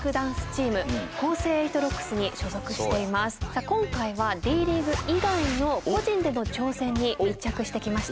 さあ今回はＤ．ＬＥＡＧＵＥ以外の個人での挑戦に密着してきました。